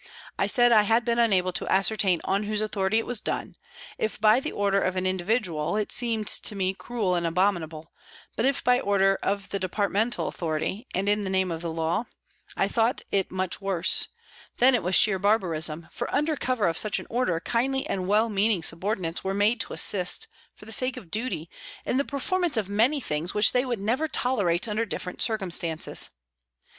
I said I had been unable to ascertain on whose authority it was done ; if by the order of an individual it seemed to me cruel and abominable, but if by order of the departmental authority, and in the name of law, I thought it much worse ; then it was sheer barbarism, for under cover of such an order, kindly and well meaning subordinates were made to assist, for the sake of duty, in the performance of many things which they would never tolerate under different circumstances.